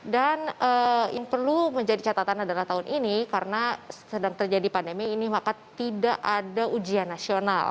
dan yang perlu menjadi catatan adalah tahun ini karena sedang terjadi pandemi ini maka tidak ada ujian nasional